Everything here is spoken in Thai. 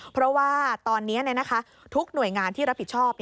เพราะว่าตอนนี้ทุกหน่วยงานที่รับผิดชอบ